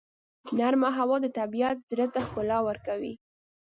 نرمه هوا د طبیعت زړه ته ښکلا ورکوي.